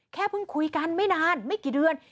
เพิ่งคุยกันไม่นานไม่กี่เดือน